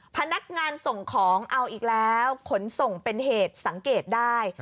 พนักงานส่งของเอาอีกแล้วขนส่งเป็นเหตุสังเกตได้